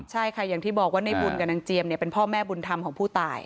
ใช่ค่ะอย่างที่บอกว่าในบุญกับนางเจียมเป็นพ่อแม่บุญธรรมของผู้ตาย